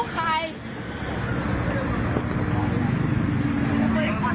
กูลูกใคร